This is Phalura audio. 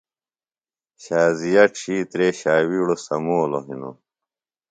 شازیہ ڇِھیترے شاوِیڑوۡ سمولوۡ ہنوۡ۔